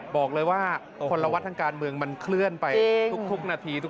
บอกเลยว่าคนละวัดทางการเมืองมันเคลื่อนไปทุกนาทีทุก